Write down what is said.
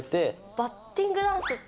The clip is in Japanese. バッティングダンスって？